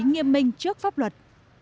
lý nghiêm minh trước pháp luật